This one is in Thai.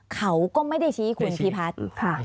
เขาก็ไม่ได้ชี้ขึ้นที่พี่ภัทร